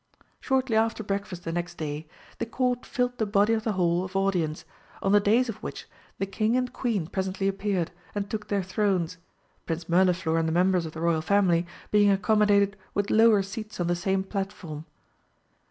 Shortly after breakfast the next day the Court filled the body of the Hall of Audience, on the dais of which the King and Queen presently appeared and took their thrones, Prince Mirliflor and the members of the Royal Family being accommodated with lower seats on the same platform.